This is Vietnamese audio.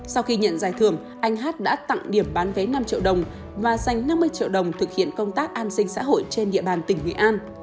sau khi nhận giải thưởng anh hát đã tặng điểm bán vé năm triệu đồng và dành năm mươi triệu đồng thực hiện công tác an sinh xã hội trên địa bàn tỉnh nghệ an